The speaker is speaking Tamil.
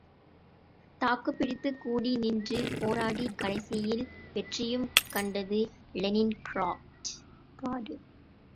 தாக்குப்பிடித்து கூடி நின்று, போராடி, கடைசியில் வெற்றியும் கண்டது லெனின் கிராடு.